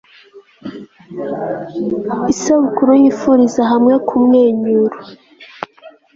isabukuru yifuriza hamwe kumwenyuru